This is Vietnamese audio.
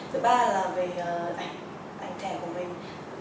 thứ ba là về ảnh thẻ của mình